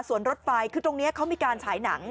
ส่วนรถไฟคือตรงนี้เขามีการฉายหนัง